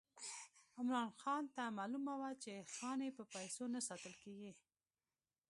عمرا خان ته معلومه وه چې خاني په پیسو نه ساتل کېږي.